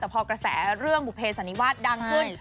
แต่พอกระแสเรื่องบุเภสันนิวาสดังขึ้น